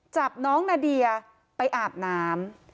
จับน้องนาเดียไปอาบน้ำ